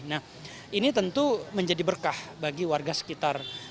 nah ini tentu menjadi berkah bagi warga sekitar